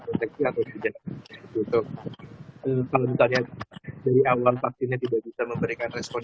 deteksi atau tidak kalau misalnya dari awal vaksinnya tidak bisa memberikan respon